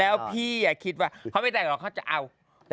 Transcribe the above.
แล้วพี่คิดว่าเขาไม่ได้หรอกเขาจะเอา